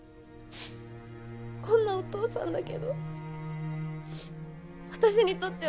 こんなお父さんだけど私にとっては